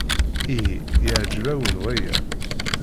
Ihi yeɛjeb-awen waya?